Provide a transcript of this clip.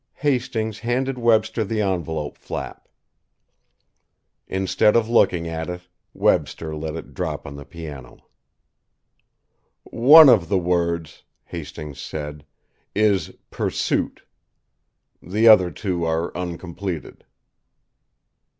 Hastings handed Webster the envelope flap. Instead of looking at it, Webster let it drop on the piano. "One of the words," Hastings said, "is 'pursuit.' The other two are uncompleted."